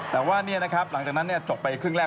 แต่ว่านี่นะครับหลังจากนั้นจบไปครึ่งแรก